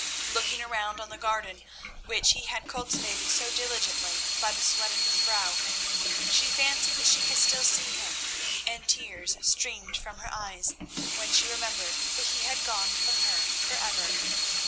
Looking around on the garden, which he had cultivated so diligently by the sweat of his brow, she fancied that she could still see him, and tears streamed from her eyes, when she remembered that he had gone from her for ever.